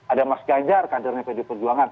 ada mas ganjar kadernya pd perjuangan